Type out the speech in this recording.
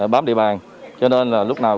bám địa bàn cho nên là lúc nào